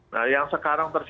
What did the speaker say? nah yang sekarang terjadi